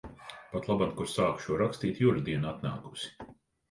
Patlaban, kur sāku šo rakstīt, Jura diena atnākusi.